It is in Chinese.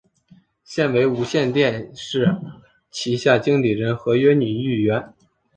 现为无线电视旗下经理人合约女艺员。